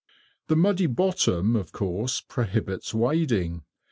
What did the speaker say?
The muddy bottom, of course, prohibits wading.